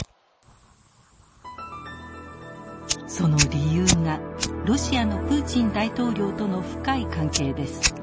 その理由がロシアのプーチン大統領との深い関係です。